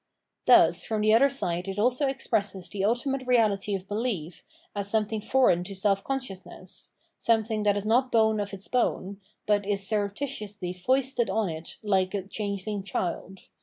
Thus from the other side it also expresses the ultimate Reahty of behef as something foreign to self consciousness, something that is not bone of its bone, but is surreptitiously foisted on it like a changeling child.